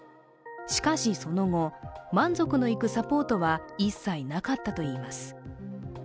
しかし、その後、満足のいくサポートは一切なかったといいます。